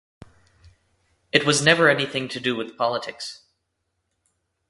It was never anything to do with politics.